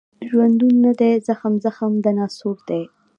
ژوندون نه دی زخم، زخم د ناسور دی